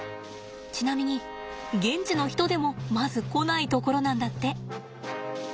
ちなみに現地の人でもまず来ない所なんだって。